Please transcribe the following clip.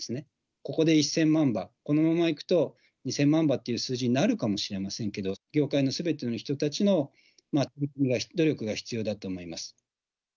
ここで１０００万羽、このままいくと、２０００万羽っていう数字になるかもしれませんけど、業界のすべての人たちの努力が必要だと思います。